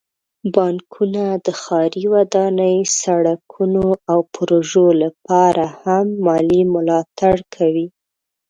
بانکونه د ښاري ودانۍ، سړکونو، او پروژو لپاره هم مالي ملاتړ کوي.